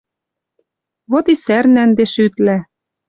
Вот и сӓрнӓ ӹнде шӱтлӓ